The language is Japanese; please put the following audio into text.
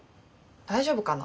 大丈夫かな？